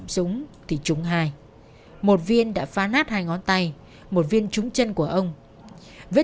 súng đó đã có sáng rồi